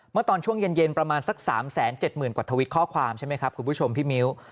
เมื่อตอนช่วงเย็นประมาณสัก๓๗๐๐กว่าทวิตข้อความใช่ไหมครับคุณผู้ชมพี่มิ้ว